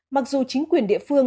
mặc dù chính quyền địa phương